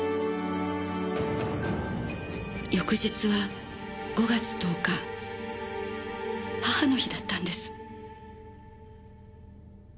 翌日は５月１０日母の日だったんです。